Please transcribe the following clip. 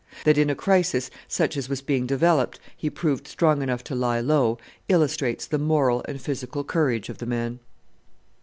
That in a crisis, such as was being developed, he proved strong enough to lie low, illustrates the moral and physical courage of the man.